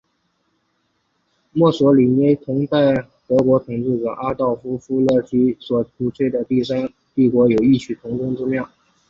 墨索里尼此举和同时代德国统治者阿道夫希特勒所鼓吹的第三帝国有异曲同工之妙。